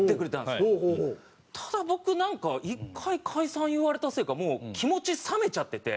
ただ僕なんか１回解散言われたせいかもう気持ち冷めちゃってて。